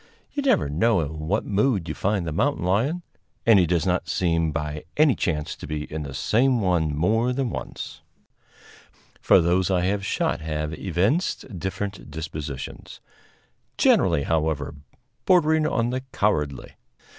You never know in what mood you find the mountain lion, and he does not seem by any chance to be in the same one more than once, for those I have shot have evinced different dispositions; generally, however, bordering on the cowardly.